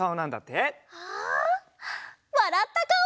わらったかお！